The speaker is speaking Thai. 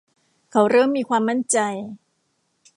เขาเริ่มมีความมั่นใจ